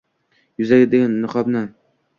yuzidagi niqobni